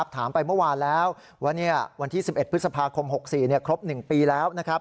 ถามไปเมื่อวานแล้ววันที่๑๑พฤษภาคม๖๔ครบ๑ปีแล้ว